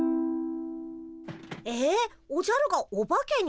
えっおじゃるがオバケに？